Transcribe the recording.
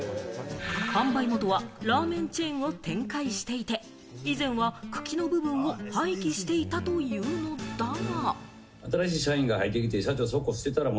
販売元はラーメンチェーンを展開していて、以前は茎の部分を廃棄していたというのだが。